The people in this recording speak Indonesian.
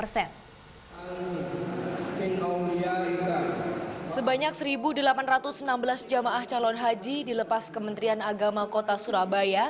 sebanyak satu delapan ratus enam belas jamaah calon haji dilepas kementerian agama kota surabaya